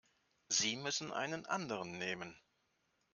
Sie müssen einen anderen nehmen.